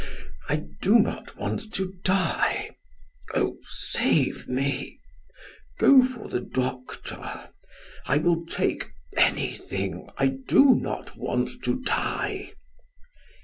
I do not want to die oh, save me go for the doctor. I will take anything. I do not want to die."